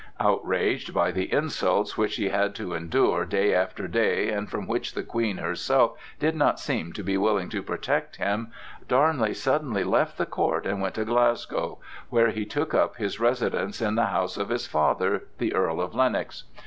Outraged by the insults which he had to endure day after day and from which the Queen herself did not seem to be willing to protect him, Darnley suddenly left the court and went to Glasgow, where he took up his residence in the house of his father, the Earl of Lennox.